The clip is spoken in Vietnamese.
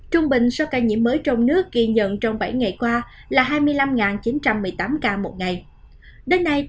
trung bình số ca nhiễm mới trong nước ghi nhận trong bảy ngày qua là hai mươi năm chín trăm một mươi tám ca một ngày